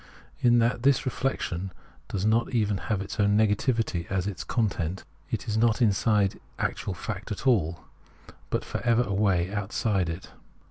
In that this reflec tion does not even have its own negativity as its content, it is not inside actual fact at all, but for ever away outside it.